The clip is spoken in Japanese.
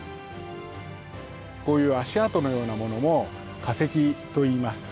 こういう足跡のようなものも化石といいます。